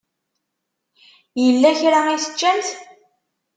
Yella kra i teččamt?